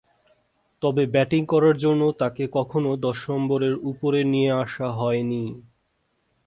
তবে, ব্যাটিং করার জন্যে তাকে কখনো দশ নম্বরের উপরে নিয়ে আসা হয়নি।